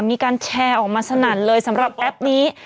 มีการแชร์ออกมาสนั่นเลยสำหรับแอปนี้